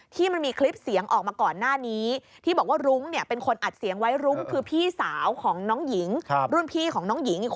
เธอส่งน้องขึ้นแท็กซี่มานะ